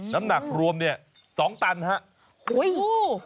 น้ำหนักรวมเนี่ย๒ตันครับ